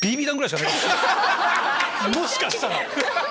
もしかしたら。